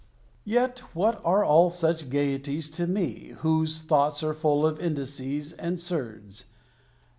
Yet what are all such gaieties to me Whose thoughts are full of indices and surds?